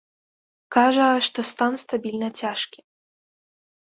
Кажа, што стан стабільна цяжкі.